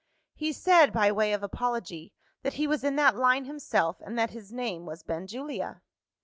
He said, by way of apology, that he was in that line himself, and that his name was Benjulia.